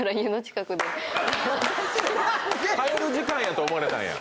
帰る時間やと思われたんや。